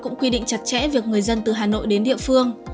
hà nội quyết định chặt chẽ việc người dân từ hà nội đến địa phương